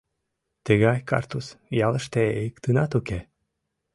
Тыгай картуз ялыште иктынат уке.